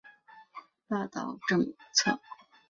秦国自秦孝公称霸诸候时行霸道政策。